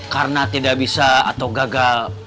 karena tidak bisa atau gagal